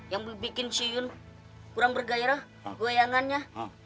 yang bikin si yuyun kurang bergairah goyangannya